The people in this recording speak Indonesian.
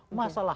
gak ada masalah